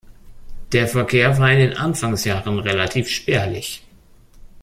Der Verkehr war in den Anfangsjahren relativ spärlich.